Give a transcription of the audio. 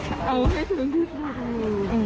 เอาให้ถึงที่สุด